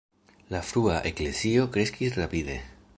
La frua Eklezio kreskis rapide.